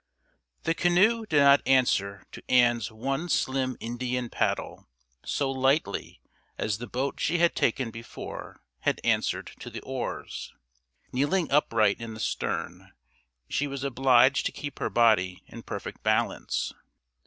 The canoe did not answer to Ann's one slim Indian paddle so lightly as the boat she had taken before had answered to the oars. Kneeling upright in the stern, she was obliged to keep her body in perfect balance.